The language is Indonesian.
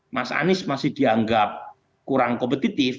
mas anies masih dianggap kurang kompetitif